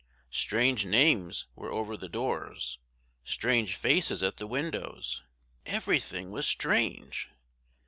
Strange names were over the doors strange faces at the windows everything was strange.